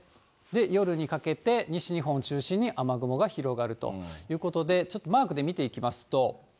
夜にかけて、西日本を中心に雨雲が広がるということで、ちょっとマークで見ていきますと。